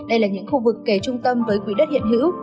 đây là những khu vực kể trung tâm với quỹ đất hiện hữu